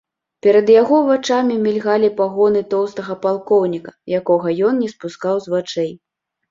Перад яго вачамі мільгалі пагоны тоўстага палкоўніка, якога ён не спускаў з вачэй.